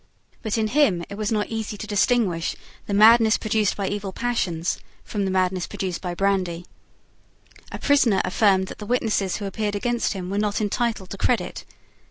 But in him it was not easy to distinguish the madness produced by evil passions from the madness produced by brandy. A prisoner affirmed that the witnesses who appeared against him were not entitled to credit.